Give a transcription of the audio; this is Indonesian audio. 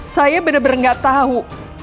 saya bener bener gak tahu